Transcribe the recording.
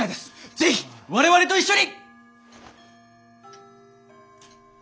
是非我々と一緒に！